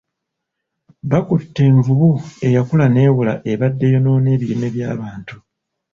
Bakutte envubu eyakula newola ebadde eyonoona ebimera by'abantu.